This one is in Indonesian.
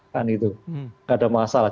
tidak ada masalah